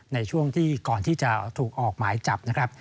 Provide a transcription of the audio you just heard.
ในช่วงที่ก่อนที่จะถูกออกหมายจับนะครับ